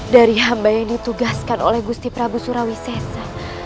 dari hamba yang ditugaskan oleh agusti prabu surawi seseg